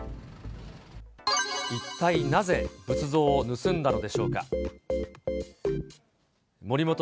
一体なぜ、仏像を盗んだのでしょうか。